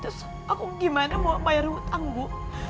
terus aku gimana mau bayar hutang bu